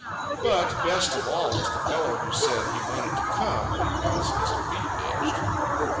But best of all was the fellow who said he wanted to come because his feet itched.